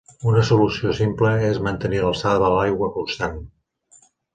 Una solució simple és mantenir l'alçada de l'aigua constant.